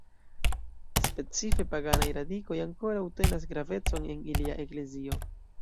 Specife, paganaj radikoj ankoraŭ tenas gravecon en ilia eklezio.